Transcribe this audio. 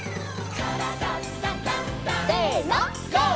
「からだダンダンダン」せのＧＯ！